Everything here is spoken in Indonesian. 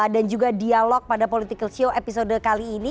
dan juga dialog pada political show episode kali ini